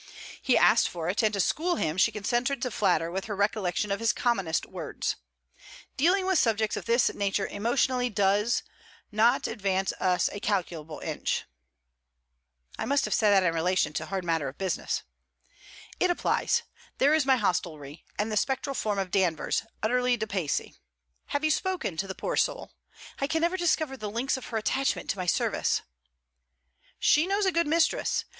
He asked for it, and to school him she consented to flatter with her recollection of his commonest words: '"Dealing with subjects of this nature emotionally does, not advance us a calculable inch."' 'I must have said that in relation to hard matter of business.' 'It applies. There is my hostelry, and the spectral form of Danvers, utterly depaysee. Have you spoken to the poor soul? I can never discover the links of her attachment to my service.' 'She knows a good mistress.